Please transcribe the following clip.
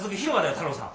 太郎さん。